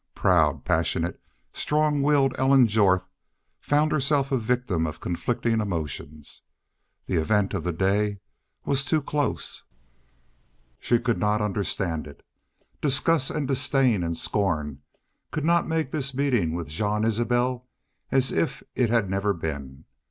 Proud, passionate, strong willed Ellen Jorth found herself a victim of conflicting emotions. The event of the day was too close. She could not understand it. Disgust and disdain and scorn could not make this meeting with Jean Isbel as if it had never been.